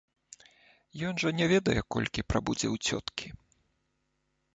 Ён жа не ведае, колькі прабудзе ў цёткі.